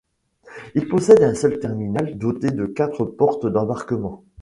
Il possède un seul terminal doté de quatre portes d'embarquement.